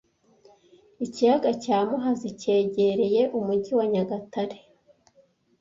Ikiyaga cya muhazi cyegereye umujyi wa nyagatare